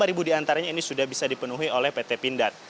dan lima ribu diantaranya ini sudah bisa dipenuhi oleh pt pindad